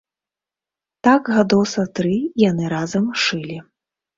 Так гадоў са тры яны разам шылі.